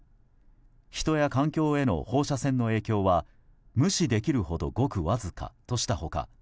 人や環境への放射線の影響は無視できるほどごくわずかとした他